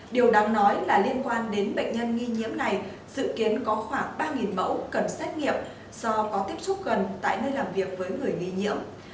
điều đáng nói là liên quan đến bệnh nhân nghi nhiễm này dự kiến có khoảng ba mẫu cần xét nghiệm do có tiếp xúc gần tại nơi làm việc với người nghi nhiễm